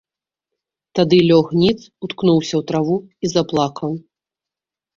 Тады лёг ніц, уткнуўся ў траву і заплакаў.